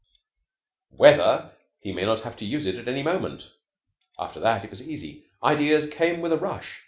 WHETHER he may not have to use it at any moment? After that it was easy. Ideas came with a rush.